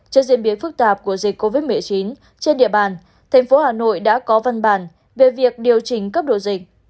trước diễn biến phức tạp của dịch covid một mươi chín trên địa bàn thành phố hà nội đã có văn bản về việc điều chỉnh cấp độ dịch